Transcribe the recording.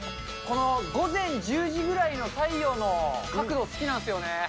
この午前１０時ぐらいの太陽の角度、好きなんですよね。